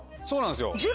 そうなんですよ。